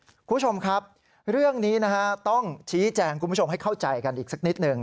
คุณผู้ชมครับเรื่องนี้นะฮะต้องชี้แจงคุณผู้ชมให้เข้าใจกันอีกสักนิดหนึ่ง